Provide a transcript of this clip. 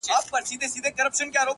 پر باقي مځکه یا کښت وي یا غوبل وي -